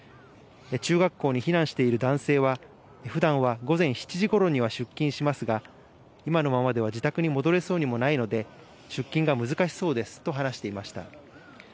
中学校に避難している男性は、ふだんは午前７時ごろには出勤しますが、今のままでは自宅に戻れそうにもないので、出勤が難しそうですと話していました。